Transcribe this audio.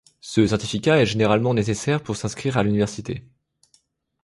Ce certificat est généralement nécessaire pour s'inscrire à l'université.